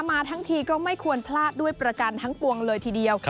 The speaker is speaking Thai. มาทั้งทีก็ไม่ควรพลาดด้วยประกันทั้งปวงเลยทีเดียว